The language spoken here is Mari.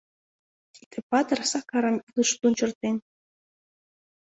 Тиде патыр Сакарым илыш лунчыртен.